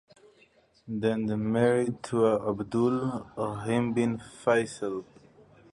Then she married to Abdul Rahman bin Faisal.